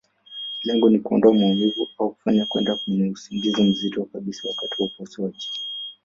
Lengo ni kuondoa maumivu, au kufanya kwenda kwenye usingizi mzito kabisa wakati wa upasuaji.